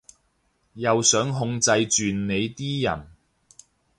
又想控制住你啲人